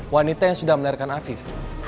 wanita yang sudah melahirkan afif